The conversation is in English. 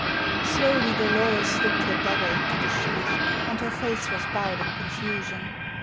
Slowly Dolores slipped her dagger into the sheath, and her face was bowed in confusion.